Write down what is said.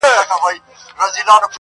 انار ګل د ارغنداو پر بګړۍ سپور سو؛